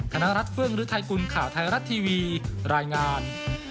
ธนรัฐเฟื้องฤทัยกุลข่าวไทยรัฐทีวีรายงาน